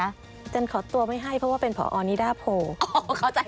อาจารย์ขอตัวไม่ให้เพราะว่าเป็นพอนิด่าโพล